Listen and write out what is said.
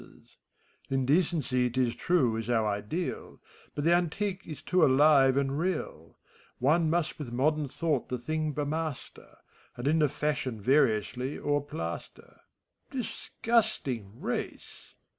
— ACT iL as Indeeeney, t is tme, is our ideal, But the Antiqae is too alive and real ; One mnst with modem thought the thing bemaster. And in the fashion variously o'erplaster: — Disgusting race!